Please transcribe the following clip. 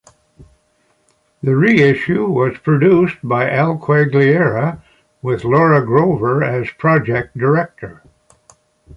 The reissue was produced by Al Quaglieri, with Laura Grover as project director.